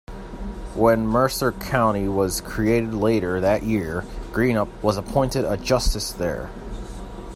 When Mercer County was created later that year, Greenup was appointed a justice there.